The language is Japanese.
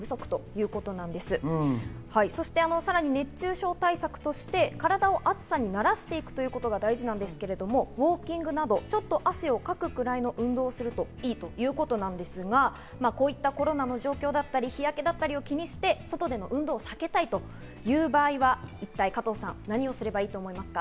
熱中症対策として、体を暑さに慣らしていくということが大事なんですけど、ウオーキングなど、ちょっと汗をかくくらいの運動すると良いということなんですが、コロナの状況だったり、日焼けだったりを気にして、外での運動を避けたいという場合は何をすればいいと思いますか？